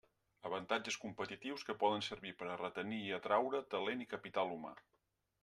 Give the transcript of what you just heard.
Avantatges competitius que poden servir per a retenir i atraure talent i capital humà.